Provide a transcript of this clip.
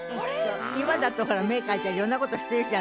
今だと目描いたりいろんなことしてるじゃない。